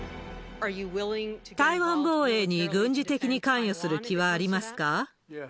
台湾防衛に軍事的に関与する気はありますか？